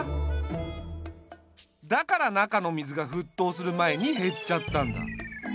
だから中の水が沸騰する前に減っちゃったんだ。